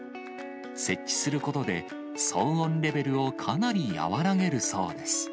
設置することで、騒音レベルをかなり和らげるそうです。